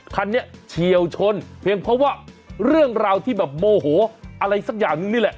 เฉียวชนเพียงเพราะว่าเรื่องราวที่แบบโมโหอะไรสักอย่างนึงนี่แหละ